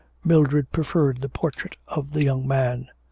Mildred preferred the portrait of the young man.